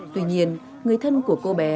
tuy nhiên người thân của cô bé